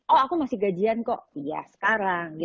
oh aku masih gajian kok iya sekarang